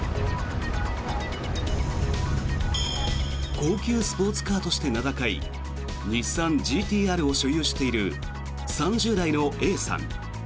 高級スポーツカーとして名高い日産・ＧＴ−Ｒを所有している３０代のＡさん。